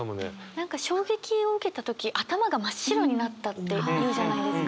何か衝撃を受けた時「頭が真っ白になった」って言うじゃないですか。